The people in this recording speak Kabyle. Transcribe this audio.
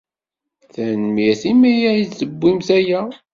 Tanemmirt imi ay aɣ-d-tewwimt aya.